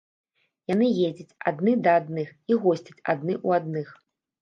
Яны ездзяць адны да адных і госцяць адны ў адных.